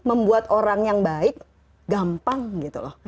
membuat orang yang baik gampang gitu loh